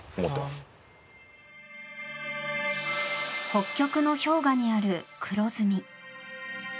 北極の氷河にある黒ずみ。